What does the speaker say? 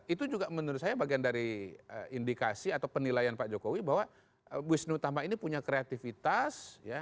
itu juga menurut saya bagian dari indikasi atau penilaian pak jokowi bahwa wisnu tama ini punya kreativitas